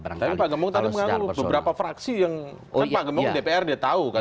tapi pak gembong tadi mengaku beberapa fraksi yang kan pak gembong dprd tahu kan